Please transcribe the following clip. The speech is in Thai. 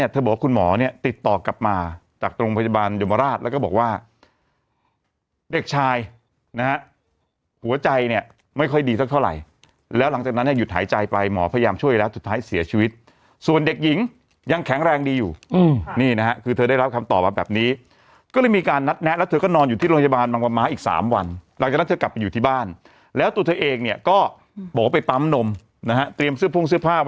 ติดต่อกลับมาจากโรงพยาบาลยมราชแล้วก็บอกว่าเด็กชายนะฮะหัวใจเนี่ยไม่ค่อยดีสักเท่าไหร่แล้วหลังจากนั้นเนี่ยหยุดหายใจไปหมอพยายามช่วยแล้วสุดท้ายเสียชีวิตส่วนเด็กหญิงยังแข็งแรงดีอยู่นี่นะฮะคือเธอได้รับคำตอบมาแบบนี้ก็เลยมีการนัดแนะแล้วเธอก็นอนอยู่ที่โรงพยาบาลบางประมาฮฮ